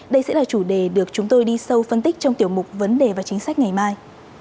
đây sẽ là chủ đề được chúng tôi đi sâu phân tích trong tiểu mục vấn đề và chính sách ngày mai